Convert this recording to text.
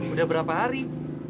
udah berapa hari